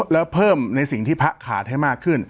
แล้วเพิ่มในสิ่งที่พระขาดให้มากขึ้น